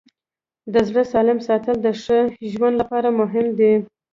د زړه سالم ساتل د ښه ژوند لپاره مهم دي.